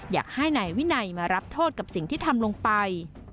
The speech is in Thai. อยากให้นายวินัยมารับโทษกับสิ่งที่ทำลงไป